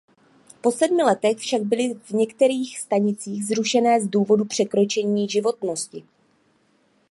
Po sedmi letech však byly v některých stanicích zrušené z důvodu překročení životnosti.